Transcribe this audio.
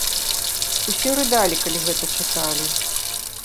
Усе рыдалі, калі гэта чыталі.